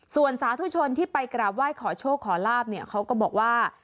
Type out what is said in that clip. ส่วนสาธุชนที่ไปกราบไหว้ขอโชคขอลาบเนี่ยเขาก็บอกว่า